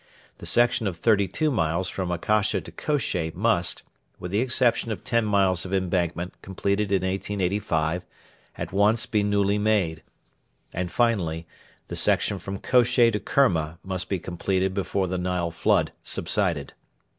The section of thirty two miles from Akasha to Kosheh must, with the exception of ten miles of embankment completed in 1885, at once be newly made. And, finally, the section from Kosheh to Kerma must be completed before the Nile flood subsided.